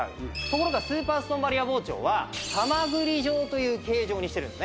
ところがスーパーストーンバリア包丁はハマグリ状という形状にしてるんですね。